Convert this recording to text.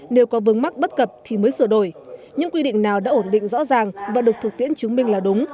nếu có vướng mắc bất cập thì mới sửa đổi những quy định nào đã ổn định rõ ràng và được thực tiễn chứng minh là đúng